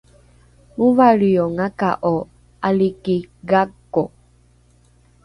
movalriongaka’o ’aliki gako